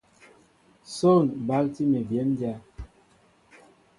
Son balti mi béndya.